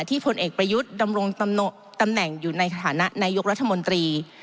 ผลเอกประยุทธ์ดำรงตำแหน่งอยู่ในฐานะนายกรัฐมนตรี